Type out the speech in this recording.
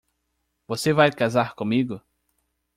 Você vai casar comigo?